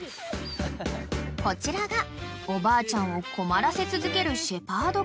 ［こちらがおばあちゃんを困らせ続けるシェパード犬